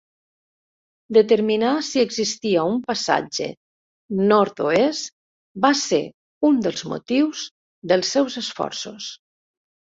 Determinar si existia un passatge nord-oest va ser un dels motius dels seus esforços.